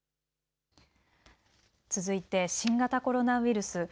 続いて新型コロナウイルス。